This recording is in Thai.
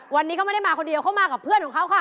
วันนี้เขาไม่ได้มาคนเดียวเขามากับเพื่อนของเขาค่ะ